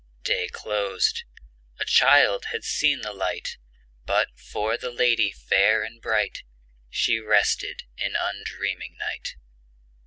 Day closed; a child had seen the light; But, for the lady fair and bright, She rested in undreaming night.